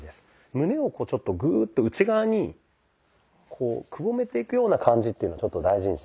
胸をちょっとグーッと内側にこうくぼめていくような感じっていうのを大事にします。